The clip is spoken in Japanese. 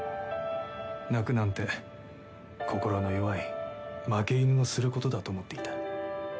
泣くなんて心の弱い負け犬のすることだと思っていた。